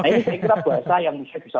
nah ini saya kira bahasa yang bisa